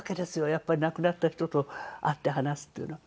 やっぱり亡くなった人と会って話すっていうのは。